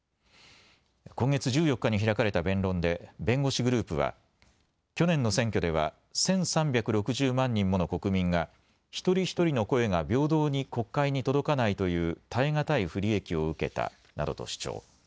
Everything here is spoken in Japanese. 今月１４日に開かれた弁論で弁護士グループは去年の選挙では１３６０万人もの国民が一人一人の声が平等に国会に届かないという堪え難い不利益を受けたなどと主張。